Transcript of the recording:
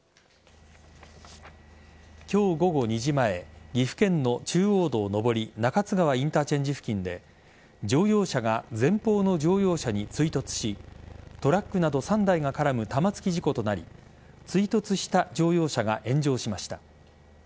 今日午後２時前岐阜県の中央道上り中津川インターチェンジ付近で乗用車が前方の乗用車に追突しトラックなど３台が絡む玉突き事故となり追突した乗用車が炎上しました。